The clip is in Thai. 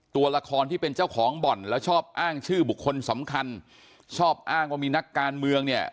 ตัวละครที่เป็นเจ้าของบ่อนแล้วชอบอ้างชื่อบุคคลสำคัญชอบอ้างว่ามีนักการเมืองเนี่ย